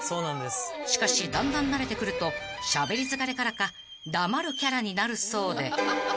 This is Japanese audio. ［しかしだんだん慣れてくるとしゃべり疲れからか黙るキャラになるそうで］